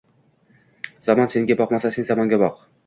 Zamon senga boqmasa, sen zamonga boq.